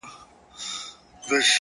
هره ورځ د نوې هیلې کړکۍ ده!